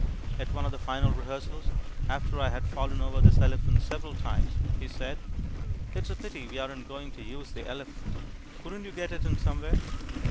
At one of the final rehearsals, after I had fallen over this elephant several times, he said, "It's a pity we aren't going to use the elephant. Couldn't you get it in somewhere?"